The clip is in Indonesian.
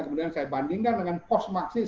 kemudian saya bandingkan dengan pos maksiis